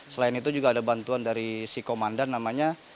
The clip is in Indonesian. selain itu juga ada bantuan dari si komandan namanya